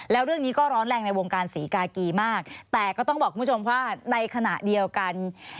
แล้วเรื่องนี้ก็ร้อนแรงในวงการศรีกากีมากแต่ก็ต้องบอกคุณผู้ชมว่าในขณะเดียวกัน